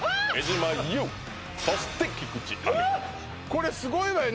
これすごいわよ